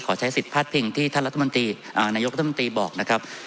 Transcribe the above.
ขอใช้สิทธิ์พาดพิงที่ท่านนายกราธิมนตรีบอกนะครับ